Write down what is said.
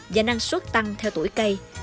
và năng suất tăng theo tuổi cây